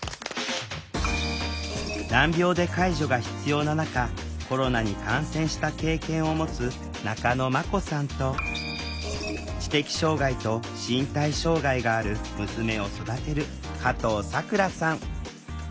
難病で介助が必要な中コロナに感染した経験を持つ中野まこさんと知的障害と身体障害がある娘を育てる加藤さくらさん